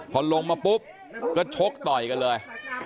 พอลงมาปุ๊บก็ชกต่อยกันเลย